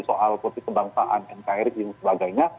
soal politik kebangsaan nkri dan sebagainya